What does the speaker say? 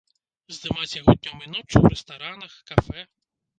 Здымаць яго днём і ноччу ў рэстаранах, кафэ?